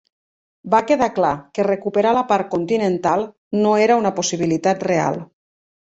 Va quedar clar que recuperar la part continental no era una possibilitat real.